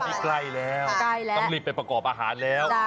นี่ใกล้แล้วต้องรีบไปประกอบอาหารแล้ว